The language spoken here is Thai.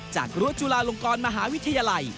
รั้วจุฬาลงกรมหาวิทยาลัย